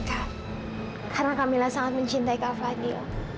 karena kamila sangat mencintai kafadil